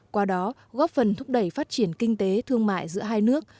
qua đó góp phần thúc đẩy phát triển kinh tế thương mại giữa hai nước